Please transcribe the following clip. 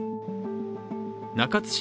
中津市